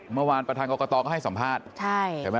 เมื่อวานประธานกรกฎาก็ให้สัมภาษณ์